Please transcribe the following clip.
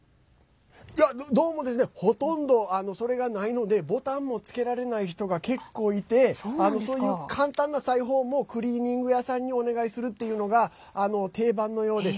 どうもですねほとんど、それがないのでボタンも付けられない人が結構いてそういう簡単な裁縫もクリーニング屋さんにお願いするっていうのが定番のようです。